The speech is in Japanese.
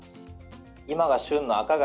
今が旬の赤貝。